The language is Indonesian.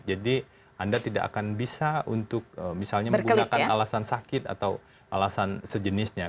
jadi anda tidak akan bisa untuk misalnya menggunakan alasan sakit atau alasan sejenisnya